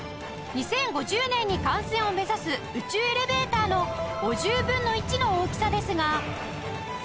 ２０５０年に完成を目指す宇宙エレベーターの５０分の１の大きさですが